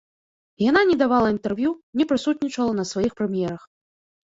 Яна не давала інтэрв'ю, не прысутнічала на сваіх прэм'ерах.